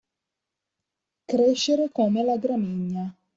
Crescere come la gramigna.